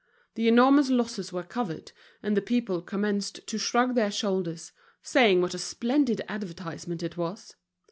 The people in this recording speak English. The enormous losses were covered, and the people commenced to shrug their shoulders, saying what a splendid advertisement it was.